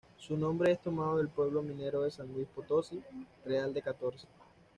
Su nombre es tomado del pueblo minero de San Luis Potosí, Real de Catorce.